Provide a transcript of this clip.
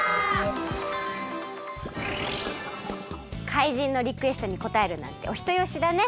かいじんのリクエストにこたえるなんておひとよしだね。